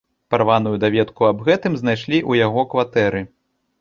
Парваную даведку аб гэтым знайшлі ў яго кватэры.